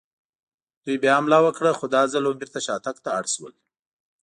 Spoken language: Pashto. دوی بیا حمله وکړه، خو دا ځل هم بېرته شاتګ ته اړ شول.